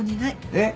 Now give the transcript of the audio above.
えっ？